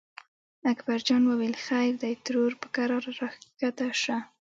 اکبر جان وویل: خیر دی ترور په کراره راکښته شه.